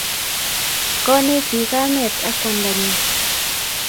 Koneti kamet ak kwandanyin